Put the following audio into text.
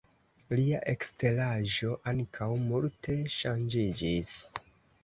Lia eksteraĵo ankaŭ multe ŝanĝiĝis.